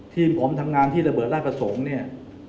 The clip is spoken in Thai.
ทีมผมทำงานที่ระเบิดราชประสงค์เนี่ย